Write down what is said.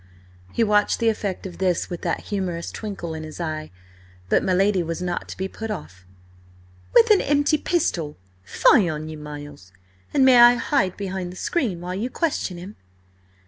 He watched the effect of this with that humorous twinkle in his eye. But my lady was not to be put off. "With an empty pistol? Fie on you, Miles! And may I hide behind the screen while you question him?"